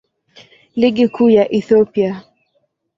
Ligi Kuu ya Ethiopia.